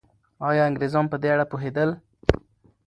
آیا انګریزان په دې اړه پوهېدل؟